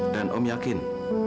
dan om yakin